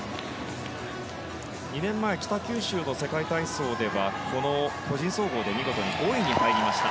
２年前、北九州の世界体操ではこの個人総合で見事に５位に入りました。